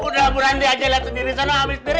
udah bu ranti aja liat sendiri sana ambil sendiri